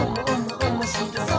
おもしろそう！」